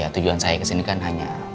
tujuan saya kesini kan hanya